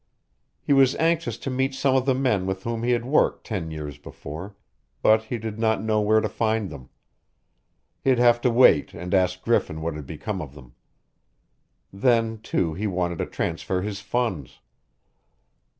He was anxious to meet some of the men with whom he had worked ten years before, but he did not know where to find them. He'd have to wait and ask Griffin what had become of them. Then, too, he wanted to transfer his funds.